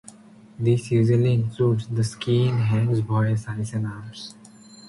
This usually includes: the skin, hands, voice, eyes, and arms.